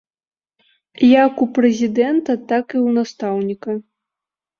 Як у прэзідэнта, так і ў настаўніка.